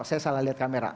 saya salah lihat kamera